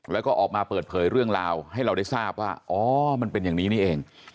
แล้วก็ออกมาเปิดเผยเรื่องราวให้เราได้ทราบว่าอ๋อมันเป็นอย่างนี้นี่เอง